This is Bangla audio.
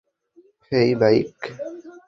হেই, বাইক!